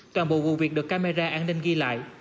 toàn bộ vụ việc được camera an ninh ghi lại